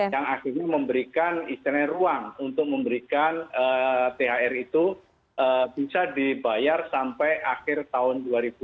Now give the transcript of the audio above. yang akhirnya memberikan istilahnya ruang untuk memberikan thr itu bisa dibayar sampai akhir tahun dua ribu dua puluh